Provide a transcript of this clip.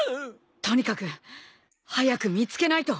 とにかく早く見つけないと。